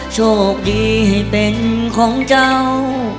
โชคดีให้เป็นของเจ้า